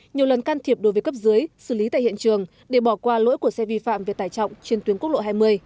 nhiều lần can thiệp đối với cấp dưới xử lý tại hiện trường để bỏ qua lỗi của xe vi phạm về tải trọng trên tuyến quốc lộ hai mươi